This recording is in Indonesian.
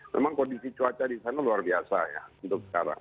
memang kondisi cuaca di sana luar biasa ya untuk sekarang